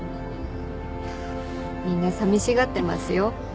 みんなさみしがってますよ。